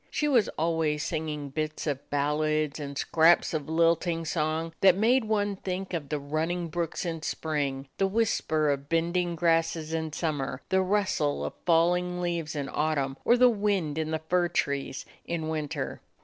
She was al ways singing bits of ballads and scraps of lilting song that made one think of the run ning brooks in spring, the whisper of bending grasses in summer, the rustle of falling leaves in autumn, or the wind in the fir trees in winter.